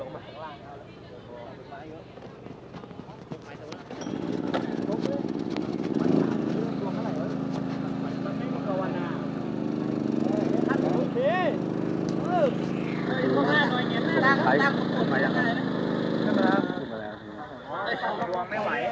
ทางซากส่วนถึงไหนอะมันมันไม่มีสวนทัวร์วะ